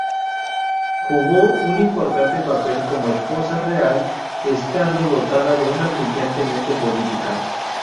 Jugó un importante papel como esposa real, estando dotada de una brillante mente política.